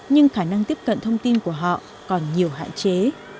nhưng khả năng tiếp cận thông tin của họ còn nhiều hạn chế